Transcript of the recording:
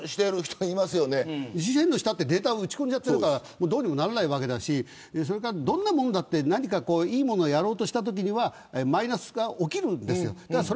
自主返納したってデータを打ち込んじゃってるからどうにもならないしどんなものもいいものをやろうとしたときはマイナスなことが起きるんです。